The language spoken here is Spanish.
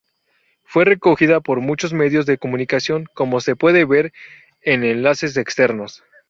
Fue recogida por muchos medios de comunicación como se puede ver en enlaces externos.